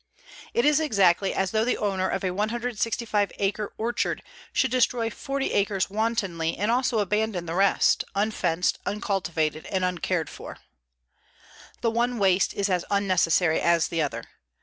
It is exactly as though the owner of a 165 acre orchard should destroy forty acres wantonly and also abandon the rest, unfenced, uncultivated and uncared for. The one waste is as unnecessary as the other.